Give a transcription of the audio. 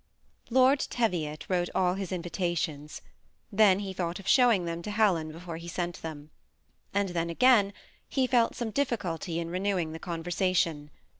Lord Teyiot wrote all his invitations; then he thought of showing them to Helen before he sent them ; and then, again, he felt some difficulty in renew ing the conversation.